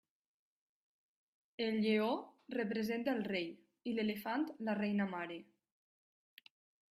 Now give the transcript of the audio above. El lleó representa el rei, i l'elefant la reina mare.